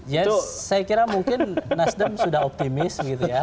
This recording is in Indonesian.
ya saya kira mungkin nasdem sudah optimis gitu ya